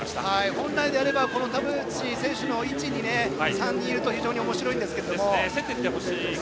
本来であれば田渕選手の位置に３人いると非常におもしろいです。